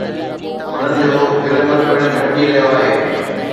انهن جو گلمر پڻ گهٽجي رهيو آهي.